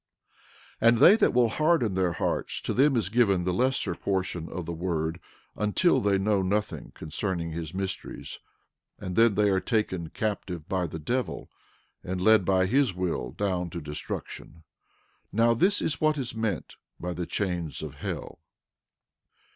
12:11 And they that will harden their hearts, to them is given the lesser portion of the word until they know nothing concerning his mysteries; and then they are taken captive by the devil, and led by his will down to destruction. Now this is what is meant by the chains of hell.